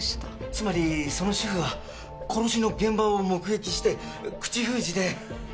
つまりその主婦は殺しの現場を目撃して口封じで。